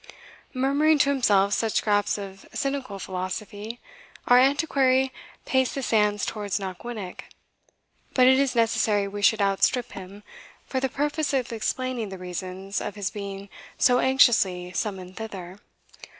Murmuring to himself such scraps of cynical philosophy, our Antiquary paced the sands towards Knockwinnock; but it is necessary we should outstrip him, for the purpose of explaining the reasons of his being so anxiously summoned thither.